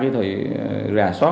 thời gà xót